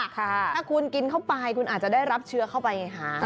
ถ้าคุณกินเข้าไปคุณอาจจะได้รับเชื้อเข้าไปไงคะ